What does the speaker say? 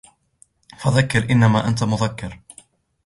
فذكر إنما أنت مذكر